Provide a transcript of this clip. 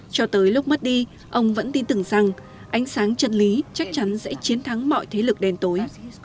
cho tới lúc mất đi ông vẫn tin tưởng rằng ánh sáng chân lý chắc chắn sẽ chiến thắng mọi thế lực đen tối